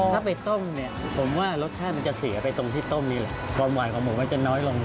ถ้าไปต้มเนี่ยผมว่ารสชาติมันจะเสียไปตรงที่ต้มนี่แหละความหวานของหมูมันจะน้อยลง